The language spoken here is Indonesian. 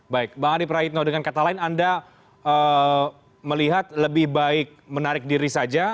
baik bang adi praitno dengan kata lain anda melihat lebih baik menarik diri saja